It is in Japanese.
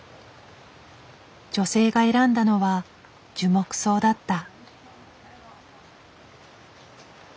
女性が選んだのは樹木葬だった。